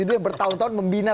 yang bertahun tahun membina